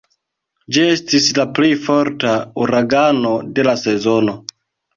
Ĝi estis la plej forta uragano de la sezono.